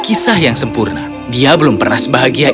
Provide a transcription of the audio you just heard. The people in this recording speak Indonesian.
pokoknya para ahli hutan tidak metresama properah